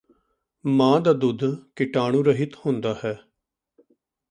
ਮਾਂ ਦਾ ਦੁੱਧ ਕੀਟਾਣੂ ਰਹਿਤ ਹੁੰਦਾ ਹੈ